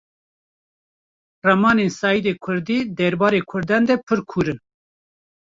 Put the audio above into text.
Ramanên Seîdê Kurdî derbarê Kurdan de pir kûr in